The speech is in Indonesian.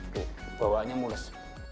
tuh bawaannya mulus